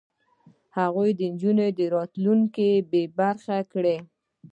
هغوی د نجونو راتلونکی بې برخې کړ.